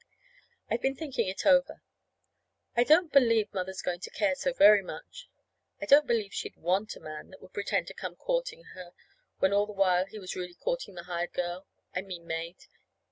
I've been thinking it over. I don't believe Mother's going to care so very much. I don't believe she'd want a man that would pretend to come courting her, when all the while he was really courting the hired girl I mean maid.